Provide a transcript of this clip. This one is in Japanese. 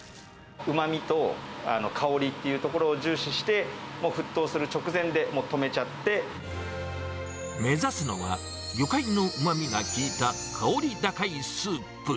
うまみと香りというところを重視して、もう沸騰する直前で、目指すのは、魚介のうまみが効いた、香り高いスープ。